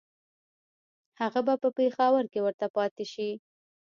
هغه به په پېښور کې ورته پاته شي.